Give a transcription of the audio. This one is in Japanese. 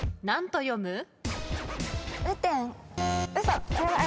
何と読む？